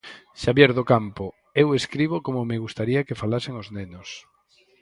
Xabier Docampo: Eu escribo como me gustaría que falasen os nenos.